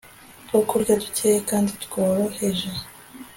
utwokurya dukeya kandi tworoheje